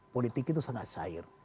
politik itu sangat syair